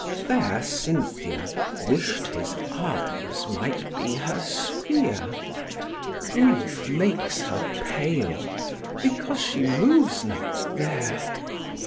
Fair Cynthia wish'd his arms might be her sphere; Grief makes her pale, because she moves not there.